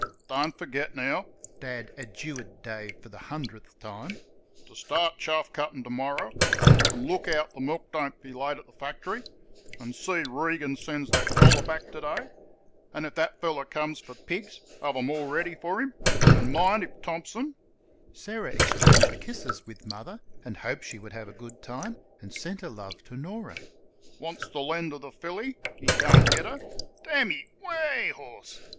"Don't f'get, now," Dad adjured Dave for the hundredth time, "ter start chaff cuttin' t'morrer, an' look out th' milk doesn't be late at th' fact'ry an' see Regan sends that collar back t'day an' if thet feller comes for pigs, have them all ready for 'im an' min' if Thompson" (Sarah exchanged kisses with Mother and hoped she would have a good time, and sent her love to Norah) "wants th' lend o' th' filly, he carn't git her; d n ye, weh, horse!"